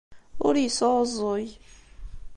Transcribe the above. Ur yesɛuẓẓug.